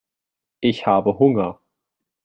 Ich habe Hunger.